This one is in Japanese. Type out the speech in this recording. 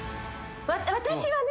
私はね